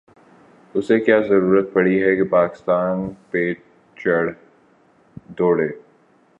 اسے کیا ضرورت پڑی ہے کہ پاکستان پہ چڑھ دوڑے۔